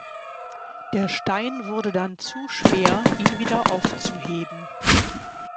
Der Stein wurde dann zu schwer ihn wieder aufzuheben.